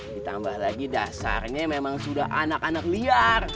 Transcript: ditambah lagi dasarnya memang sudah anak anak liar